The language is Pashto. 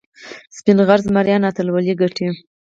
سپین غر زمریان اتلولي ګټي.